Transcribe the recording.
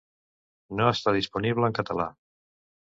No està disponible en català.